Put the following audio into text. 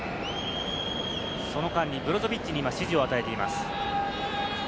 その間にブロゾビッチに今指示を与えています。